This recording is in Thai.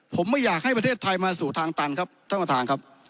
ผมไม่อยากให้ประเทศไทยมาสู่ทางตันครับท่านประธานครับ